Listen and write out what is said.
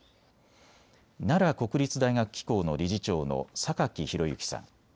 奈良国立大学機構の理事長の榊裕之さん。